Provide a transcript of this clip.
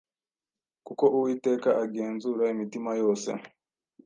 kuko Uwiteka agenzura imitima yose,